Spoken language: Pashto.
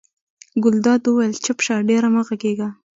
ګلداد وویل چپ شه ډېره مه غږېږه.